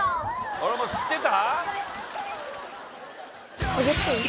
俺も知ってた？